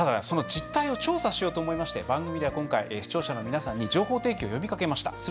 その実態を調査しようと思いまして番組では今回、視聴者の皆さんに情報提供を呼びかけました。